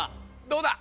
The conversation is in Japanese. ・どうだ？